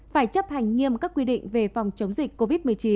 phải chấp hành nghiêm các quy định về phòng chống dịch covid một mươi chín